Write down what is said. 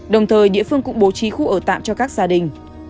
đồng thời địa phương cũng bố trí khu ở tạm cho các gia đình